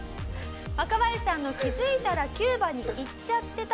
若林さんの「気づいたらキューバに行っちゃってた」